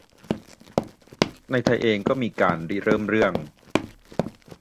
ในไทยเองก็มีการริเริ่มเรื่อง